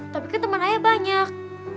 tapi kan teman ayah banyak